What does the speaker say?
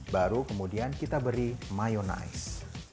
baru kemudian kita beri mayonaise